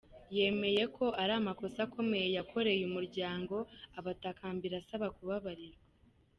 Yemeye ko ari amakosa akomeye yakoreye umuryango abatakambira asaba kubabarirwa.